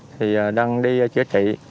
thì đang đi chữa trị